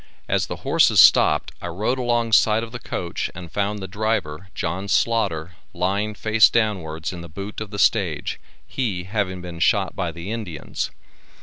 As the horses stopped I rode along side of the coach and found the driver John Slaughter, lying face downwards in the boot of the stage, he having been shot by the Indians.